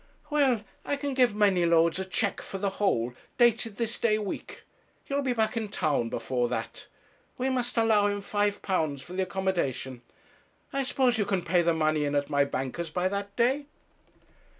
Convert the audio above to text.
'Well, I can give Manylodes a cheque for the whole, dated this day week. You'll be back in town before that. We must allow him £5 for the accommodation. I suppose you can pay the money in at my banker's by that day?'